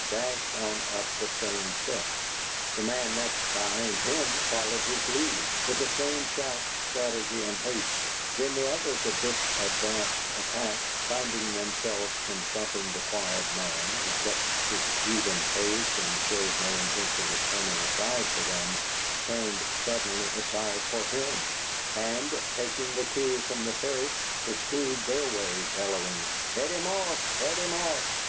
dashed on up the stone steps. The man next behind him followed his lead, with the same shout, strategy, and haste; then the others of this advance attack, finding themselves confronting the quiet man, who kept his even pace and showed no intention of turning aside for them, turned suddenly aside for HIM, and, taking the cue from the first, pursued their way, bellowing: "HEAD HIM OFF! HEAD HIM OFF!"